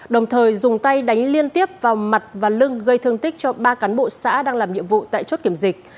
đồng thời dùng tay đánh liên tiếp vào mặt và lưng gây thương tích cho ba cán bộ xã đang làm nhiệm vụ tại chốt kiểm dịch